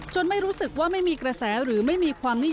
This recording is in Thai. ไม่รู้สึกว่าไม่มีกระแสหรือไม่มีความนิยม